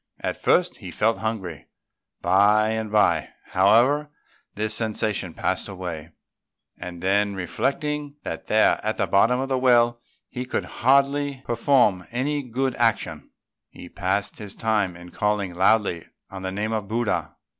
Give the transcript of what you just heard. At first he felt hungry; by and by, however, this sensation passed away; and then reflecting that there, at the bottom of a well, he could hardly perform any good action, he passed his time in calling loudly on the name of Buddha.